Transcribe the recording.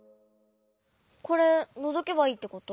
これのぞけばいいってこと？